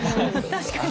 確かに。